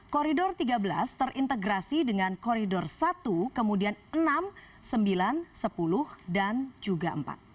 koridor tiga belas terintegrasi dengan koridor satu kemudian enam sembilan sepuluh dan juga empat